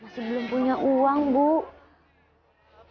ibu ingin teman teman punya kerja sama ini nggak urusin sama apa